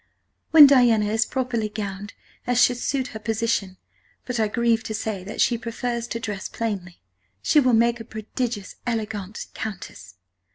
"When Diana is properly gowned, as should suit her position (but I grieve to say that she prefers to dress plainly), she will make a prodigious Elegantt Countess.